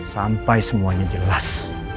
sampai semuanya jelas